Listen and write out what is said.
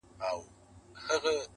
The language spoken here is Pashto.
ه لېونیه په